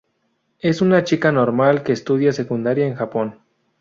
Es una chica normal que estudia secundaria en Japón.